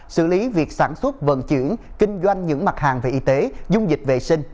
xử lý việc sản xuất vận chuyển kinh doanh những mặt hàng về y tế dung dịch vệ sinh